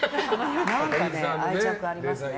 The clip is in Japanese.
何か愛着がありますね。